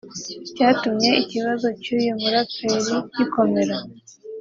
Icyatumye ikibazo cy’uyu muraperi gikomera